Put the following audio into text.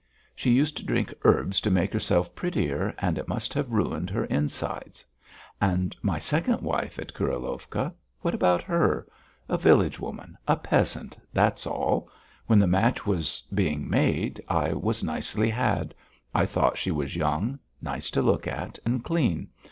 She used to drink herbs to make herself prettier and it must have ruined her inside. And my second wife at Kurilovka what about her? A village woman, a peasant; that's all. When the match was being made I was nicely had; I thought she was young, nice to look at and clean.